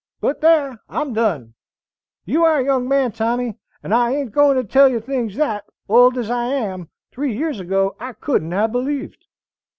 But thar, I'm done. You are a young man, Tommy, and I ain't goin' to tell things thet, old as I am, three years ago I couldn't have believed."